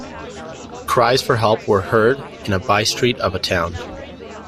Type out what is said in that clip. Cries for help were heard in a by-street of a town.